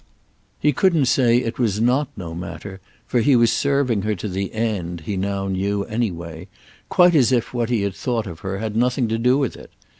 He couldn't say it was not no matter; for he was serving her to the end, he now knew, anyway—quite as if what he thought of her had nothing to do with it.